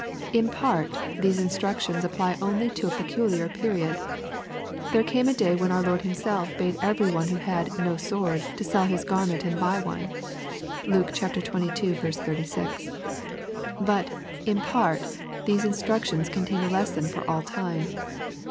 In part, these instructions apply only to a peculiar period. There came a day when our Lord Himself bade every one who had " no sword, to sell his garment and buy one.'* (Luke xxii. 36.) But, in part, these instructions contain a lesson for all time.